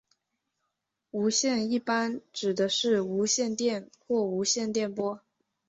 无线一般指的是无线电或无线电波。